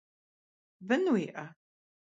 Бын уиӏэ?